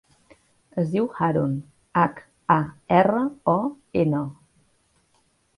Es diu Haron: hac, a, erra, o, ena.